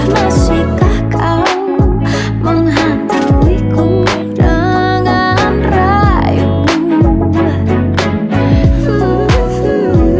masihkah kau menghantui ku dengan rayu mu